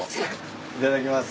いただきます。